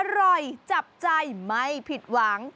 จับใจไม่ผิดหวัง